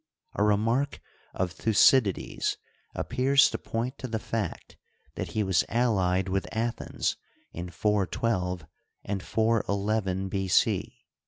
A remark of Thucydides appears to point to the fact that he was allied with Athens in 412 and 41 1 B. C.